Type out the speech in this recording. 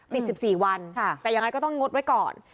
ปิดสิบสี่วันค่ะแต่ยังไงก็ต้องงดไว้ก่อน